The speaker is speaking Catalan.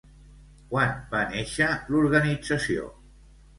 Quan va néixer l'organització?